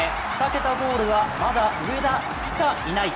２桁ゴールはまだ上田しかいない。